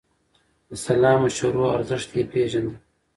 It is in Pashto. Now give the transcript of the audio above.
د سلا مشورو ارزښت يې پېژانده.